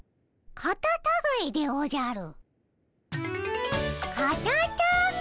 カタタガエでおじゃる。